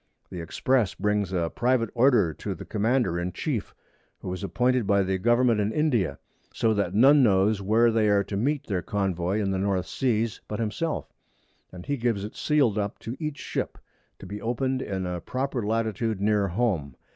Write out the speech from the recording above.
The Express brings a private Order to the Commander in chief, who is appointed by the Government in India; so that none knows where they are to meet their Convoy in the North Seas, but himself; and he gives it sealed up to each Ship, to be open'd in a proper Latitude near home.